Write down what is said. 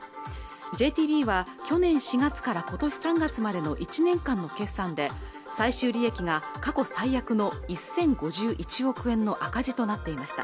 ＪＴＢは去年４月から今年３月までの１年間の決算で最終利益が過去最悪の１０５１億円の赤字となっていました